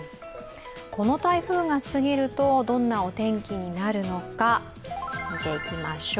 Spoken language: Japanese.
この台風が過ぎるとどんなお天気になるのか見ていきましょう。